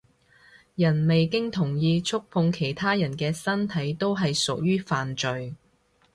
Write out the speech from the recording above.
人未經同意觸碰其他人嘅身體都係屬於犯罪